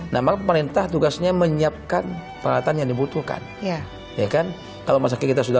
nah malah pemerintah tugasnya menyiapkan peralatan yang dibutuhkan ya kan kalau masyarakat kita sudah